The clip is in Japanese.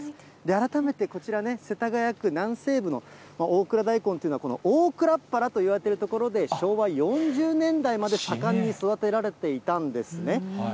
改めてこちらね、世田谷区南西部の大蔵大根というのは、この大蔵原といわれている所で、昭和４０年代まで盛んに育てられていたんですね。